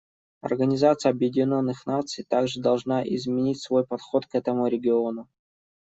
Организация Объединенных Наций также должна изменить свой подход к этому региону.